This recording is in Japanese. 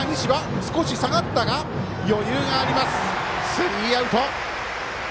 スリーアウト。